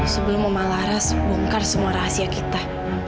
sebelum oma laras bongkar semua rahasia kita